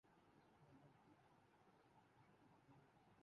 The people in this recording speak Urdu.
اس روش کی اب حوصلہ شکنی ہونی چاہیے۔